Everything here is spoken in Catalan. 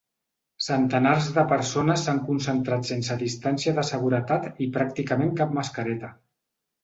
Centenars de persones s'han concentrat sense distància de seguretat i pràcticament cap mascareta.